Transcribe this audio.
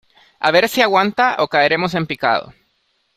a ver si aguanta, o caeremos en picado.